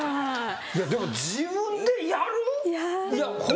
でも自分でやる？